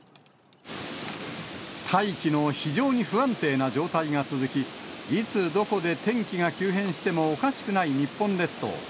大気の非常に不安定な状態が続き、いつ、どこで天気が急変してもおかしくない日本列島。